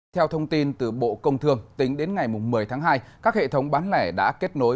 theo thông tin từ bộ công thương tính đến ngày một mươi tháng hai các hệ thống bán lẻ đã kết nối